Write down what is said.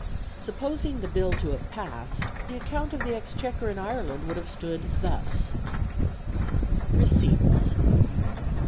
Supposing the Bill to have passed, the account of the Exchequer in Ireland would have stood thus: RECEIPTS.